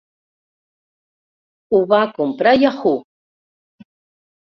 Ho va comprar Yahoo!